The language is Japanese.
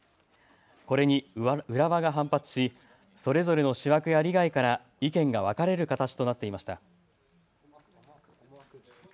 これに浦和が反発しそれぞれの思惑や利害から意見が分かれる形となっていました。